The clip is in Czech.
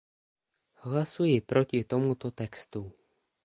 Hlasuji proti tomuto textu.